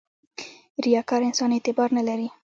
• ریاکار انسان اعتبار نه لري.